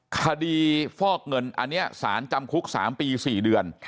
ฟอกเงินอันนี้สารจำคุก๓ปี๔เดือน